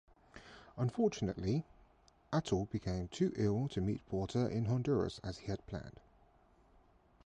Unfortunately, Athol became too ill to meet Porter in Honduras as he had planned.